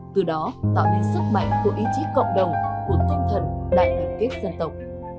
từ đó tạo nên sức mạnh của ý chí cộng đồng của tôn thần đại lực kết dân tộc